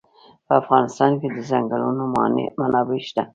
په افغانستان کې د ځنګلونه منابع شته.